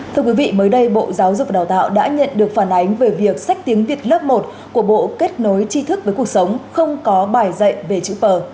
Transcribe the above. thưa quý vị mới đây bộ giáo dục và đào tạo đã nhận được phản ánh về việc sách tiếng việt lớp một của bộ kết nối tri thức với cuộc sống không có bài dạy về chữ p